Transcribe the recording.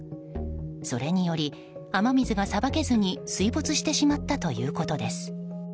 それにより雨水がさばけずに水没してしまったということです。